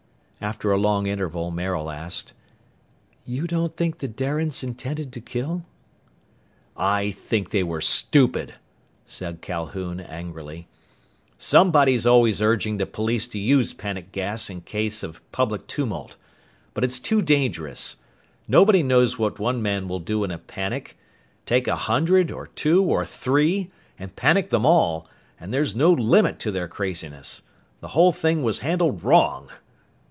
After a long interval, Maril asked, "You don't think the Darians intended to kill?" "I think they were stupid!" said Calhoun angrily. "Somebody's always urging the police to use panic gas in case of public tumult. But it's too dangerous. Nobody knows what one man will do in a panic. Take a hundred or two or three and panic them all, and there's no limit to their craziness! The whole thing was handled wrong!"